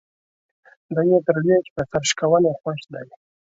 دى يې تر ويش په سر شکوني خوښ دى.